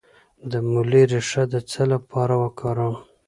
د مولی ریښه د څه لپاره وکاروم؟